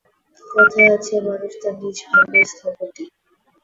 কথায় আছে মানুষ তার নিজ ভাগ্যের স্থপতি।